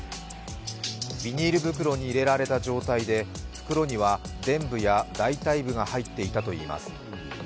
ビニール袋に入れられた状態で袋にはでん部や大たい部が入っていたといいます。